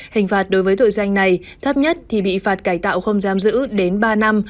hình phạt đối với tội danh này thấp nhất thì bị phạt cải tạo không giam giữ đến ba năm